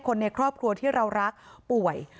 คนในครอบครัวที่เรารักป่วย